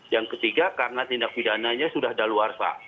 yang ketiga karena tindak pidananya sudah daluarsa